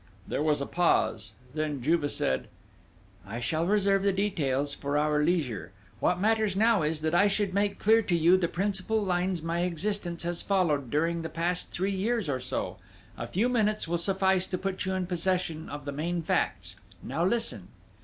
There was a pause, then Juve said: "I shall reserve the details for our leisure. What matters now is, that I should make clear to you the principal lines my existence has followed during the past three years or so. A few minutes will suffice to put you in possession of the main facts. Now, listen."